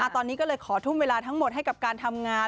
ตอนนี้ก็เลยขอทุ่มเวลาทั้งหมดให้กับการทำงาน